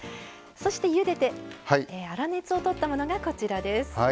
そしてゆでて粗熱を取ったものがこちらです。